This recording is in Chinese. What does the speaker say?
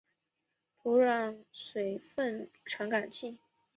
土壤水分传感器。